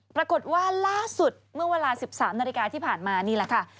ปรากฏว่าล่าสุดเมื่อเวลา๑๓นาฬิกาที่ผ่านมานี่แหละค่ะ